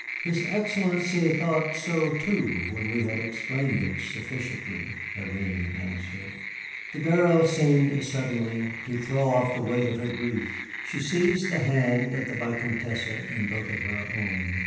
"His Excellency thought so, too, when we had explained it sufficiently," Hélène answered. The girl seemed suddenly to throw off the weight of her grief. She seized the hand of the Vicomtesse in both of her own.